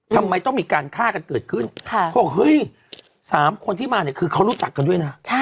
ทำไมต้องมีการฆ่ากันเกิดขึ้นเขาบอกเฮ้ย๓คนที่มาเนี่ยคือเขารู้จักกันด้วยนะ